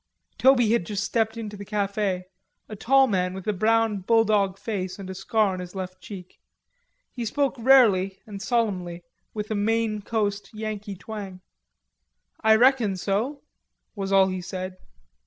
Toby had just stepped into the cafe, a tall man with a brown bulldog face and a scar on his left cheek. He spoke rarely and solemnly with a Maine coast Yankee twang. "I reckon so," was all he said.